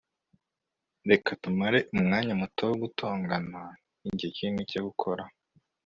reka tumare umwanya muto wo gutongana nigihe kinini cyo gukora